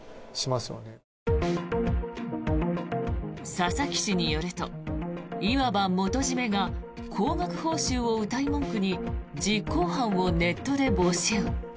佐々木氏によるといわば元締めが高額報酬をうたい文句に実行犯をネットで募集。